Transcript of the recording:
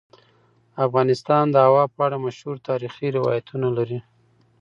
افغانستان د هوا په اړه مشهور تاریخی روایتونه لري.